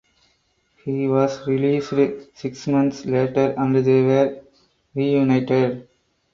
He was released six months later and they were reunited.